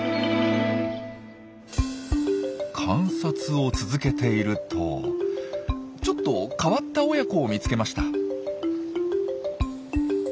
観察を続けているとちょっと変わった親子を見つけました。